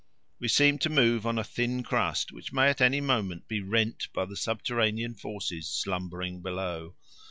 We seem to move on a thin crust which may at any moment be rent by the subterranean forces slumbering below.